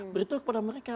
beritahu kepada mereka